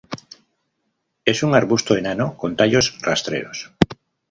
Es un arbusto enano con tallos rastreros.